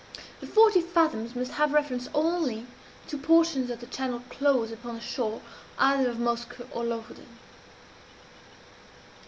The "forty fathoms" must have reference only to portions of the channel close upon the shore either of Moskoe or Lofoden.